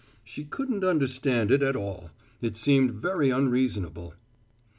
She couldn't understand it at all. It seemed very unreasonable.